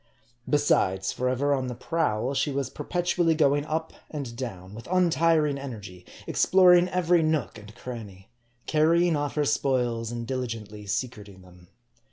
Besides, forever on the prowl, she was perpetually going up and down ; with untiring energy, ex ploring every nook and cranny ; carrying off' her spoils and diligently secreting them.